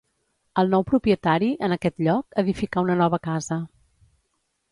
El nou propietari, en aquest lloc, edificà una nova casa.